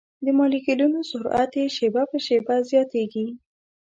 د مالیکولونو سرعت یې شېبه په شېبه زیاتیږي.